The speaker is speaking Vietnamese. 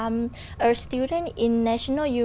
một dự đoán